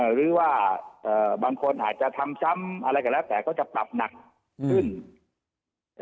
หรือว่าบางคนอาจจะทำซ้ำอะไรก็แล้วแต่ก็จะปรับหนักขึ้น